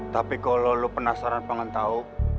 tapi kalau lo penasaran pengen tahu